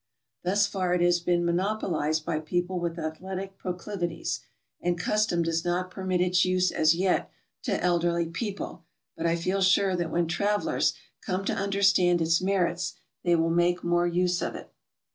Thus far it has been monopo lized by people with athletic proclivities, and custom does not permit its use as yet to elderly people, but I feel sure PERSONALITIES. 225 that when travelers come to unde'^stand ks merits, they will make more use of it.